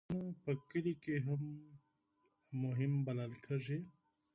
بوټونه په کلیو کې هم مهم بلل کېږي.